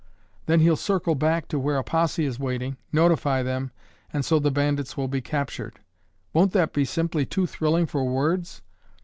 Then he'll circle back to where a posse is waiting, notify them, and so the bandits will be captured. Won't that be simply too thrilling for words?